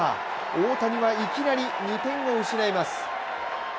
大谷はいきなり２点を失います。